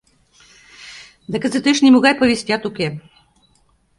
— Да кызытеш нимогай повестят уке.